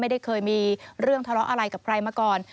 ไม่ได้เคยมีเรื่องทะเลาะอะไรกับใครมาก่อน